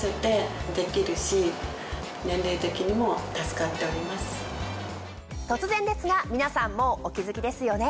こちらは梅雨時で突然ですが皆さんもうお気付きですよね。